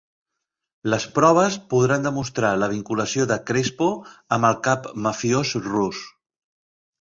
Les proves podran demostrar la vinculació de Crespo amb el cap mafiós rus.